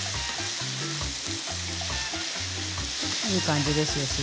いい感じですよ